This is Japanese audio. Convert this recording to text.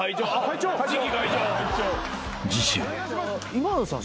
今田さん